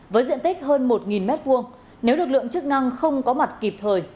với diện tích hơn một m hai nếu lực lượng chức năng không có mặt kịp thời